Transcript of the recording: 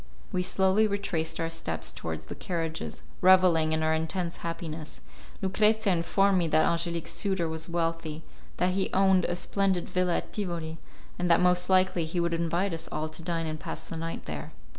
We slowly retraced our steps towards the carriages, revelling in our intense happiness. Lucrezia informed me that Angelique's suitor was wealthy, that he owned a splendid villa at Tivoli, and that most likely he would invite us all to dine and pass the night there.